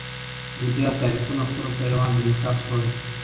عقدې او تحریفونه خپلو پیروانو ته انتقال سول.